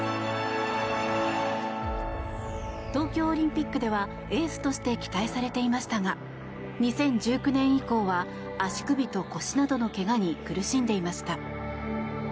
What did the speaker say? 東京オリンピックではエースとして期待されていましたが２０１９年以降は足首と腰などのけがに苦しんでいました。